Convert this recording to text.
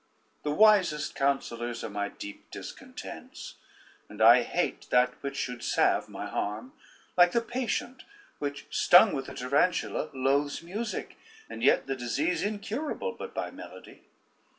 The wisest counsellors are my deep discontents, and I hate that which should salve my harm, like the patient which stung with the Tarantula loathes music, and yet the disease incurable but by melody.